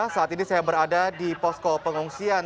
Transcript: saat ini saya berada di posko pengungsian